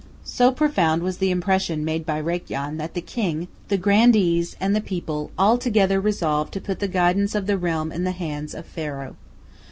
So profound was the impression made by Rakyon that the king, the grandees, and the people, all together resolved to put the guidance of the realm in the hands of Pharaoh.